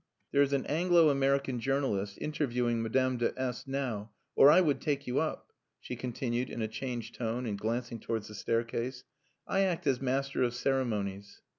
"There is an Anglo American journalist interviewing Madame de S now, or I would take you up," she continued in a changed tone and glancing towards the staircase. "I act as master of ceremonies."